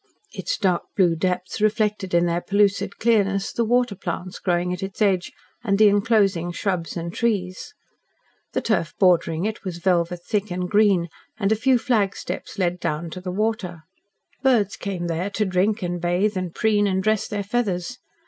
Its dark blue depths reflected in their pellucid clearness the water plants growing at its edge and the enclosing shrubs and trees. The turf bordering it was velvet thick and green, and a few flag steps led down to the water. Birds came there to drink and bathe and preen and dress their feathers.